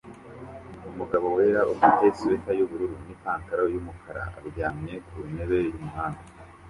Umugabo wera ufite swater yubururu nipantaro yumukara aryamye kuntebe yumuhanda